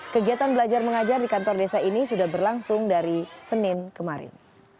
kegiatan belajar mengajar di kantor desa ini sudah berlangsung dari senin kemarin